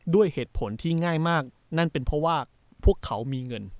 ด้วยเหตุผลที่ง่ายมากนั่นเป็นเพราะว่าพวกเขามีเงิน